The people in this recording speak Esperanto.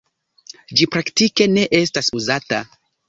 Ĝi praktike ne estas uzata.